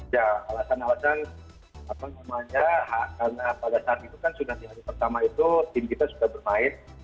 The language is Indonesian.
ya alasan alasan apa namanya karena pada saat itu kan sudah di hari pertama itu tim kita sudah bermain